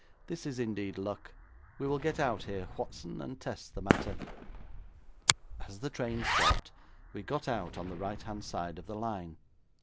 'This is indeed luck. We will get out here, Whatson, and test the matter.' As the train stopped, we got out on the right hand side of the line.